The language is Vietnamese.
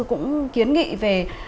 cũng kiến nghị về